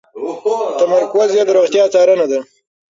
تمرکز یې د روغتیا څارنه ده.